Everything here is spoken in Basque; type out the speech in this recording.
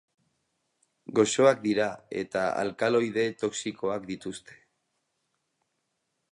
Gozoak dira, eta alkaloide toxikoak dituzte.